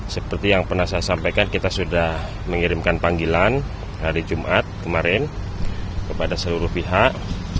seperti yang pernah saya sampaikan kita sudah mengirimkan panggilan hari jumat kemarin kepada seluruh pihak